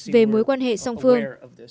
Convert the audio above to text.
về mối quan hệ song phương